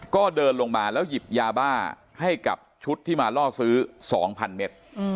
ก็เดินลงมาแล้วหยิบยาบ้าให้กับชุดที่มาล่อซื้อ๒๐๐เมตร